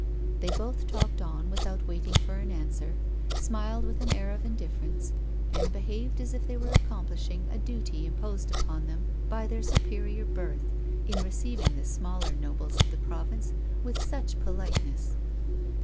They both talked on without waiting for an answer, smiled with an air of indifference, and behaved as if they were accomplishing a duty imposed upon them by their superior birth, in receiving the smaller nobles of the pro vince with such politeness.